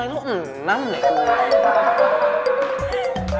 kalau gue masih bingung nih